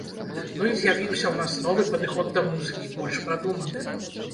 Ну і з'явіўся ў нас новы падыход да музыкі, больш прадуманы.